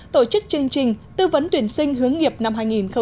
tổ chức chương trình tư vấn tuyển sinh hướng nghiệp năm hai nghìn một mươi chín